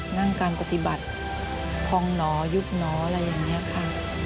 นั่งการปฏิบัติพองหนอยุบหนออะไรอย่างนี้ค่ะ